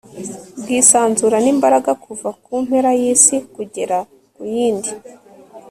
bwisanzurana imbaraga kuva ku mpera y'isi kugera ku yindi